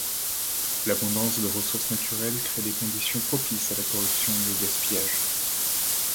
L’abondance de ressources naturelles crée des conditions propices à la corruption et aux gaspillages.